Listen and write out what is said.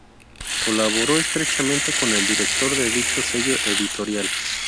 Colaboró estrechamente con el director de dicho sello editorial.